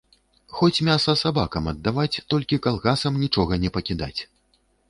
Хоць мяса сабакам аддаваць, толькі калгасам нічога не пакідаць.